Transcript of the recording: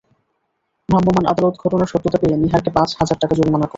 ভ্রাম্যমাণ আদালত ঘটনার সত্যতা পেয়ে নিহারকে পাঁচ হাজার টাকা জরিমানা করেন।